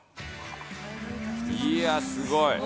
いや、すごい。